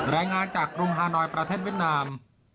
รายงานจากกรุงฮานอยประเทศเวียดนาม